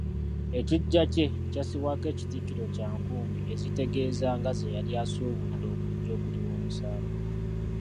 Ekiggya kye kyassibwako ekitikkiro kya nkumbi ezitegeeza nga ze yali asuubudde okujja okuliwa omusango.